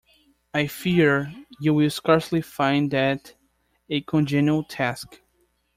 I fear you will scarcely find that a congenial task.